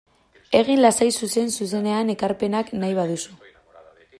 Egin lasai zuzen-zuzenean ekarpenak nahi baduzu.